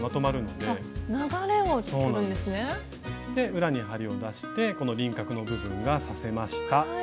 で裏に針を出してこの輪郭の部分が刺せました。